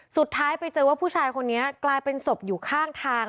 สุดท้ายไปเจอว่าผู้ชายคนนี้กลายเป็นศพอยู่ข้างทาง